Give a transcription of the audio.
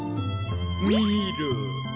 みろ。